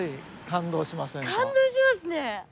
感動しますね。